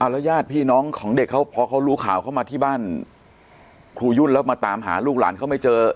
แล้วญาติพี่น้องของเด็กเขาพอเขารู้ข่าวเข้ามาที่บ้านครูยุ่นแล้วมาตามหาลูกหลานเขาไม่เจอ